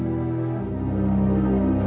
bagaimana dengan kamu